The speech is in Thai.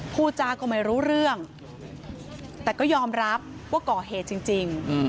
พูดจาก็ไม่รู้เรื่องแต่ก็ยอมรับว่าก่อเหตุจริง